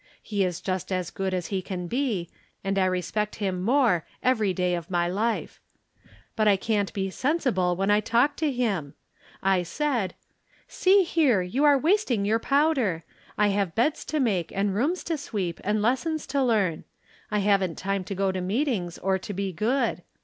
He is just as good as he can be, and I respect him more every day of my life. But I can't be sensible when I talk to him. I said :" See here, you are wasting youx powder. I have beds to make, and rooms to sweep, and les sons to learn. I haven't time to go to meetings or be good.